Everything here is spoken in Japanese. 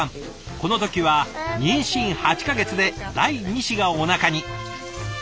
この時は妊娠８か月で第２子がおなかに！